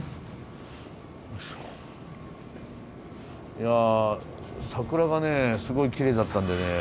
いや桜がねすごいきれいだったんでね